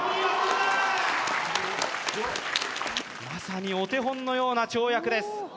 まさにお手本のような跳躍です